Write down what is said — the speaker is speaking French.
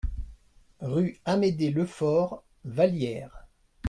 Rue Amédée Lefaure, Vallière